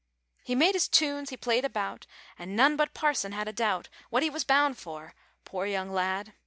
He made his tunes, he played about An' none but Parson had a doubt What he was bound for poor young lad!